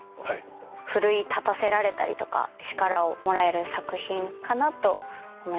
奮い立たせられたりとか力をもらえる作品かなと思います。